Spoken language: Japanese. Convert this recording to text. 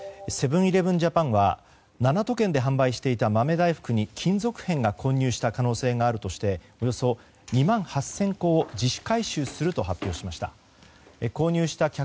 セブン‐イレブン・ジャパンは７都県で販売していた豆大福に金属片が混入した可能性があるとしておよそ２万８０００個を自主回収すると発表しました。